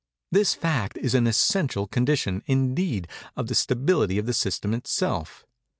This fact is an essential condition, indeed, of the stability of the system itself.